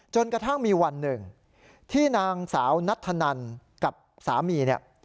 จนกระทั่งมีวันหนึ่งที่นางสาวนัทธนันกับสามีเนี่ย